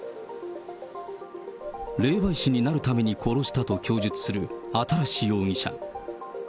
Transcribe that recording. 霊媒師になるために殺したと供述する新容疑者。